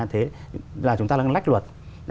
thế là chúng ta lắc luật